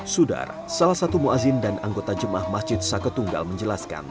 sudar salah satu mu azzin dan anggota jumlah masjid saka tunggal menjelaskan